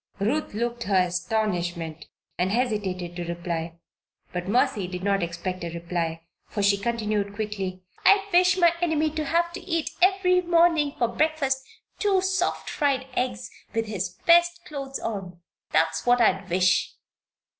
Ruth looked her astonishment and hesitated to reply. But Mercy did not expect a reply, for she continued quickly: "I'd wish My Enemy to have to eat every morning for breakfast two soft fried eggs with his best clothes on that's what I'd wish!"